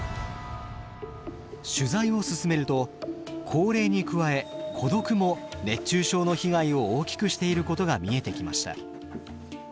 取材を進めると高齢に加え孤独も熱中症の被害を大きくしていることが見えてきました。